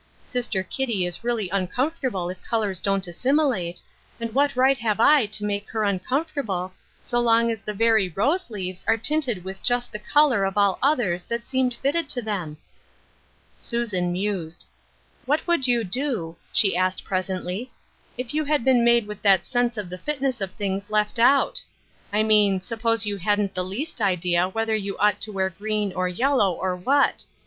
Sister Kitty is really un comfortable if colors don't assimilate, and what right have I to make her uncomfortable, so long as the very rose leaves are tinted with just the color of all others that seemed fitted to them ?" Susan mused. " What would you do," she asked presently, " if you had been made with that sense of the fitness of things left out ? I mean, suppose you hadn't the least idea whether you ought to wear green, or yellow, or what.